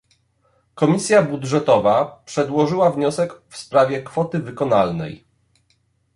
Komisja Budżetowa przedłożyła wniosek w sprawie kwoty wykonalnej